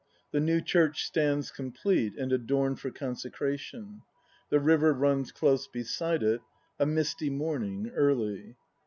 The new Church stands com plete, and adorned for cojisecration. The river runs close beside it. A misty morning, early.